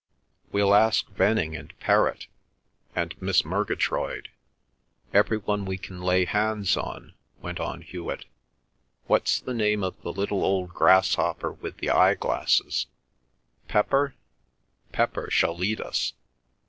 '" "We'll ask Venning and Perrott and Miss Murgatroyd—every one we can lay hands on," went on Hewet. "What's the name of the little old grasshopper with the eyeglasses? Pepper?—Pepper shall lead us."